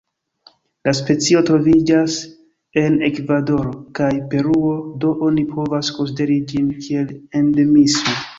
La specio troviĝas en Ekvadoro kaj Peruo, do oni povas konsideri ĝin kiel endemismo.